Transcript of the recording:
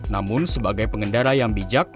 namun sebagai pengendara yang bijak